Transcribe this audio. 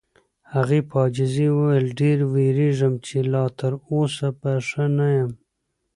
هغې په عاجزۍ وویل: ډېر وېریږم چې لا تر اوسه به ښه نه یم.